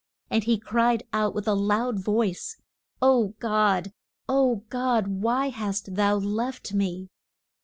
And he cried out with a loud voice O God! O God! why hast thou left me?